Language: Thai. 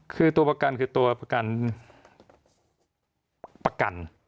คือตัวประกันคือตัวประกันประกัน